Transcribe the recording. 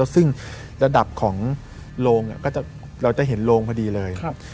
ซึ่งระดับของโรงเราจะเห็นโรงพอดีเลย